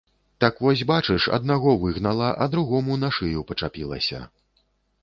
Так вось бачыш, аднаго выгнала, а другому на шыю пачапілася.